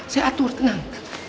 saya atur tenang